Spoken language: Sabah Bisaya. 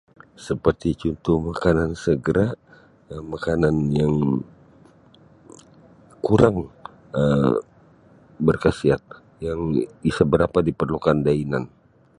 Seperti cuntuh makanan segera, makanan yang kurang um berkhasiat yang isa berapa diperlukan da inan.